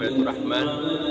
di bulan suci ramadan